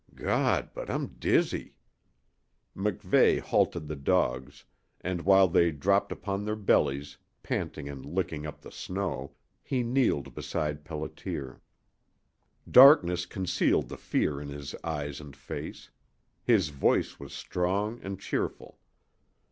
"Gawd, but I'm dizzy " MacVeigh halted the dogs, and while they dropped upon their bellies, panting and licking up the snow, he kneeled beside Pelliter. Darkness concealed the fear in his eyes and face. His voice was strong and cheerful.